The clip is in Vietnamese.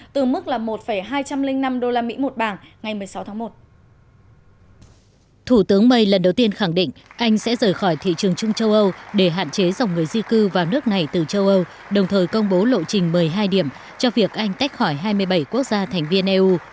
thủ tướng may lần đầu tiên khẳng định anh sẽ rời khỏi thị trường trung châu âu để hạn chế dòng người di cư vào nước này từ châu âu đồng thời công bố lộ trình một mươi hai điểm cho việc anh tách khỏi hai mươi bảy quốc gia thành viên eu